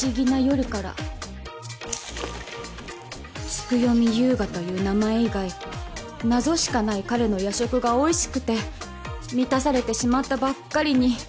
月読悠河という名前以外謎しかない彼の夜食がおいしくて満たされてしまったばっかりに